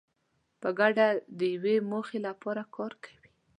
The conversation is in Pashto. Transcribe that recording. په ګډه د یوې موخې لپاره کار کوي.